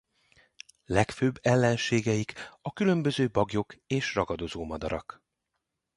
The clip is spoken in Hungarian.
Legfőbb ellenségeik a különböző baglyok és ragadozó madarak.